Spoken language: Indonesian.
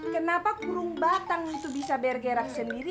kenapa burung batang itu bisa bergerak sendiri